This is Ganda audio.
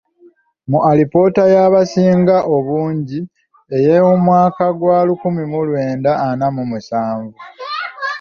Mu alipoota y’abasinga obungi ey’omwaka gwa lukumi mu lwenda ana mu musanvu.